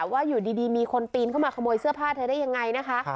ว่าอยู่ดีมีคนปีนเข้ามาขโมยเสื้อผ้าเธอได้ยังไงนะคะ